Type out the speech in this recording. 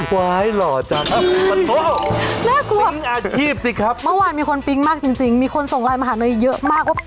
ไหว่หล่อจังครับขอโทษ